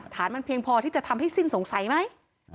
ฐานมันเพียงพอที่จะทำให้สิ้นสงสัยไหม